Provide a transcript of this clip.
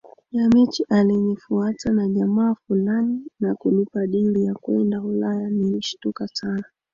ya mechi alifuatwa na jamaa fulani na kunipa dili la kwenda UlayaNilishtuka sana